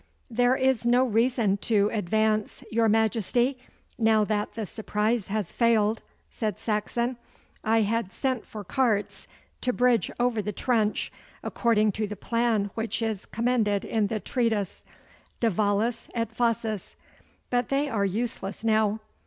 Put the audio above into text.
'There is no reason to advance, your Majesty, now that the surprise has failed,' said Saxon. 'I had sent for carts to bridge over the trench, according to the plan which is commended in the treatise, "De vallis et fossis," but they are useless now.